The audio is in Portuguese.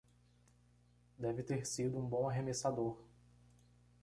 Deve ter sido um bom arremessador.